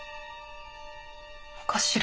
お頭。